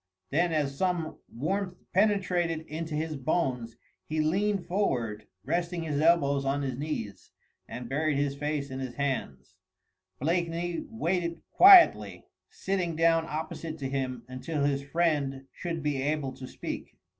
Then as some warmth penetrated into his bones, he leaned forward, resting his elbows on his knees and buried his face in his hands. Blakeney waited quietly, sitting down opposite to him, until his friend should be able to speak.